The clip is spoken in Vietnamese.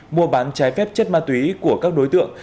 mua bán trái phép chất ma túy của các đối tượng